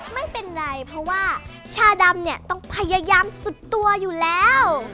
ไม่เป็นไรเพราะว่าชาดำเนี่ยต้องพยายามสุดตัวอยู่แล้ว